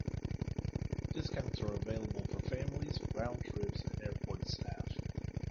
Discounts are available for families, round trips, and airport staff.